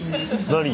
何？